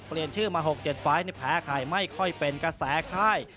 เปลี่ยนชื่อมา๖๗ฟ้ายนี่แพ้ค่ายไม่ค่อยเป็นกระแสค่าย